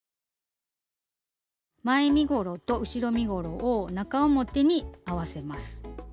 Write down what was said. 前身ごろと後ろ身ごろを中表に合わせます。